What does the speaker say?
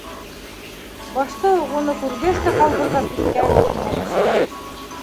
Башта уҡ уны күргәс тә ҡалбырҙап киткәнен иҫенә төшөрҙө.